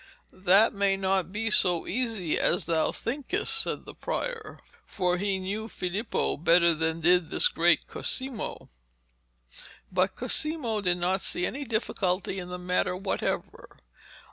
'That may not be so easy as thou thinkest,' said the prior, for he knew Filippo better than did this great Cosimo. But Cosimo did not see any difficulty in the matter whatever.